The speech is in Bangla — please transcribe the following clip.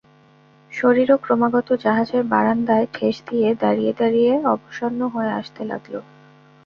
শরীরও ক্রমাগত জাহাজের বারাণ্ডায় ঠেস দিয়ে দাঁড়িয়ে দাঁড়িয়ে অবসন্ন হয়ে আসতে লাগল।